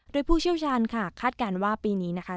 โดยผู้เชี่ยวชาญค่ะคาดการณ์ว่าปีนี้นะคะ